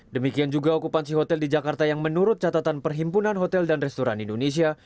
demikian juga okupansi hotel di jakarta yang menurut catatan perhimpunan hotel dan restoran indonesia